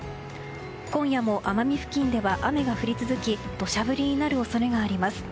今夜も奄美付近では雨が降り続き土砂降りになる恐れがあります。